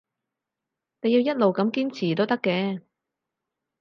你要一路咁堅持都得嘅